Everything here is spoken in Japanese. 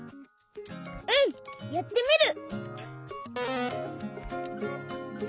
うんやってみる！